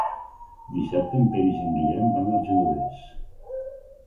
Dissabte en Peris i en Guillem van al Genovés.